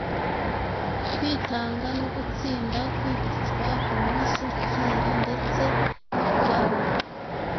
kwitanga no gutsinda; kwicwa umunsi ukira ndetse no kubaho